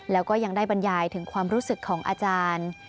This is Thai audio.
แล้วก็ยังได้บรรยายถึงความรู้สึกของอาจารย์